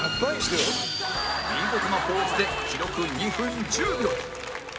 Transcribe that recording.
見事なポーズで記録２分１０秒